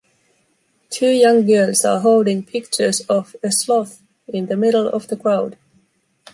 Two young girls are holding pictures of a sloth in the middle of the crowd.